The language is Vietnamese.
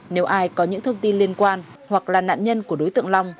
nếu ai có những thông tin liên quan hoặc là nạn nhân của đối tượng long